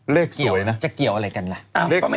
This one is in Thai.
เลขสวยจะเกี่ยวอะไรกันแหละ